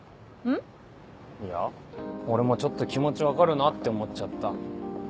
いや俺もちょっと気持ち分かるなって思っちゃった。